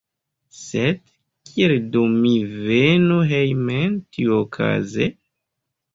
Sed kiel do mi venu hejmen tiuokaze?